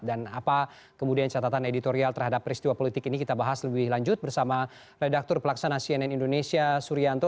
dan apa kemudian catatan editorial terhadap peristiwa politik ini kita bahas lebih lanjut bersama redaktur pelaksana cnn indonesia suryanto